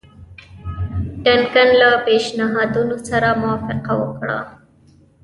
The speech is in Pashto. ډنکن له پېشنهادونو سره موافقه وکړه.